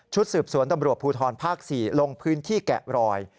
สืบสวนตำรวจภูทรภาค๔ลงพื้นที่แกะรอย